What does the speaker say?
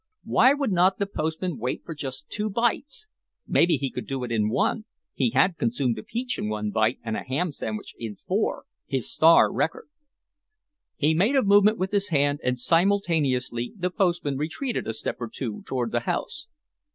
Why would not the postman wait for just two bites? Maybe he could do it in one. He had consumed a peach in one bite and a ham sandwich in four—his star record. He made a movement with his hand, and simultaneously the postman retreated a step or two toward the house.